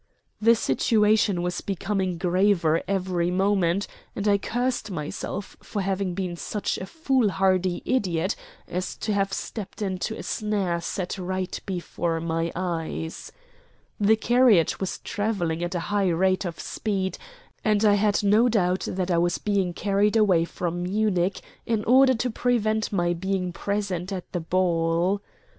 The situation was becoming graver every moment, and I cursed myself for having been such a foolhardy idiot as to have stepped into a snare set right before my eyes. The carriage was travelling at a high rate of speed, and I had no doubt that I was being carried away from Munich in order to prevent my being present at the ball.